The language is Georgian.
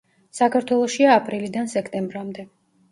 საქართველოშია აპრილიდან სექტემბრამდე.